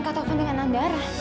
kak taufan dengan andara